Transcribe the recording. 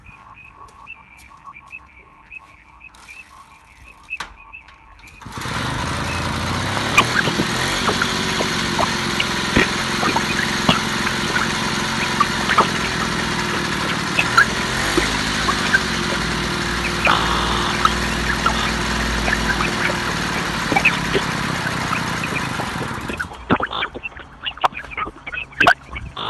marudio ambayo licha ya kujiondoa kwa mpinzani wake mkuu Raila Odinga